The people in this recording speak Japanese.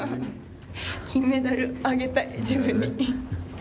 金メダル、あげたい自分に。